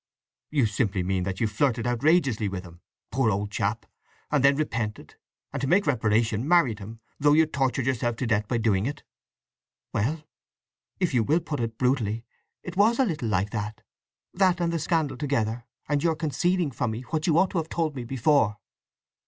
"You simply mean that you flirted outrageously with him, poor old chap, and then repented, and to make reparation, married him, though you tortured yourself to death by doing it." "Well—if you will put it brutally!—it was a little like that—that and the scandal together—and your concealing from me what you ought to have told me before!"